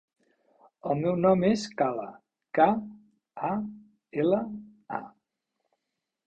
El meu nom és Kala: ca, a, ela, a.